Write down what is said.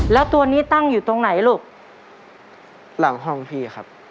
แล้วตัวนี้ตั้งอยู่ตรงไหนลูกหลังห้องพี่ครับ